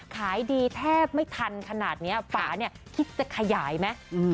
ขายดีแทบไม่ทันขนาดนี้ฝาเนี่ยคิดจะขยายไหม